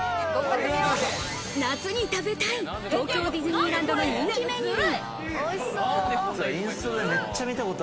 夏に食べたい東京ディズニーランドの人気メニュー。